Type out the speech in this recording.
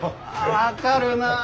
分かるなあ。